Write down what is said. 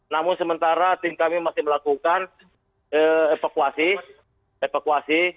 namun sementara tim kami masih melakukan evakuasi